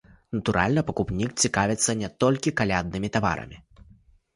Натуральна, пакупнік цікавіцца не толькі каляднымі таварамі.